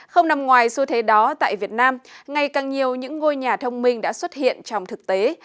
không nằm ngoài xu thế đó tại việt nam ngày càng nhiều những ngôi nhà thông minh đã xuất hiện trong thực tế